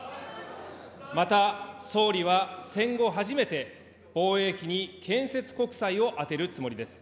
また総理は、戦後初めて防衛費に建設国債を充てるつもりです。